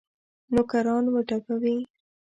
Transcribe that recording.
نوکران وډبوي.